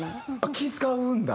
気ぃ使うんだ？